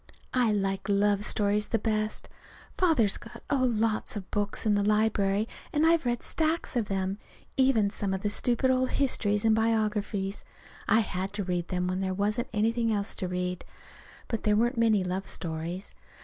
I like love stories the best. Father's got oh, lots of books in the library, and I've read stacks of them, even some of the stupid old histories and biographies. I had to read them when there wasn't anything else to read. But there weren't many love stories.